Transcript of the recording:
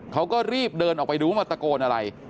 เขาก็รีบเดินออกไปดูว่ามาตะโกนอะไร